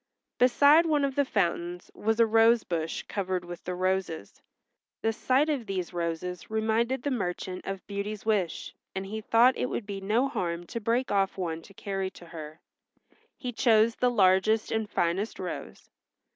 Beside one of the fountains was a rose bush covered with the roses. The sight of these roses reminded the merchant of Beauty's wish, and he thought it would be no harm to break off one to carry to her. He chose the largest and finest rose.